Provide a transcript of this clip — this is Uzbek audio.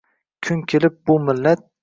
Kun kelib, bu millat